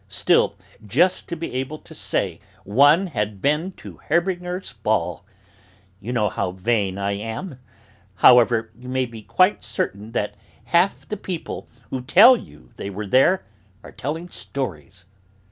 Still, just to be able to say one had been to Herbinger's ball. You know how vain I am! However, you may be quite certain that half the people who tell you they were there are telling stories....